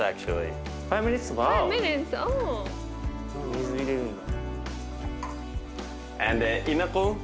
水入れるんだ。